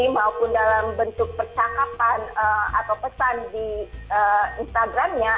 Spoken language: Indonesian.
maupun dalam bentuk percakapan atau pesan di instagramnya